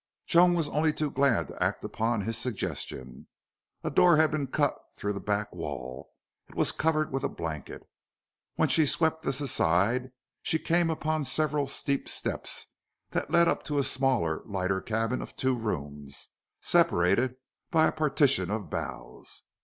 Joan was only too glad to act upon his suggestion. A door had been cut through the back wall. It was covered with a blanket. When she swept this aside she came upon several steep steps that led up to a smaller, lighter cabin of two rooms, separated by a partition of boughs.